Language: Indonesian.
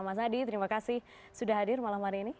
mas hadi terima kasih sudah hadir malam hari ini